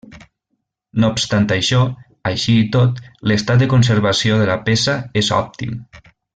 No obstant això, així i tot, l'estat de conservació de la peça és òptim.